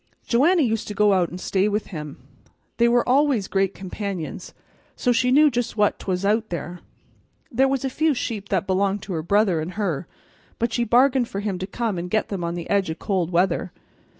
Joanna used to go out and stay with him. They were always great companions, so she knew just what 'twas out there. There was a few sheep that belonged to her brother an' her, but she bargained for him to come and get them on the edge o' cold weather.